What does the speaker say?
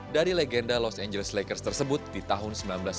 dari legenda los angeles lakers tersebut di tahun seribu sembilan ratus sembilan puluh